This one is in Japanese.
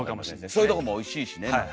そういうとこもおいしいしね。